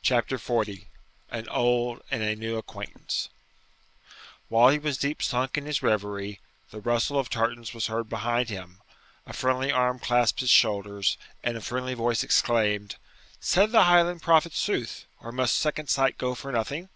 CHAPTER XL AN OLD AND A NEW ACQUAINTANCE While he was deep sunk in his reverie, the rustle of tartans was heard behind him, a friendly arm clasped his shoulders, and a friendly voice exclaimed, 'Said the Highland prophet sooth? Or must second sight go for nothing?'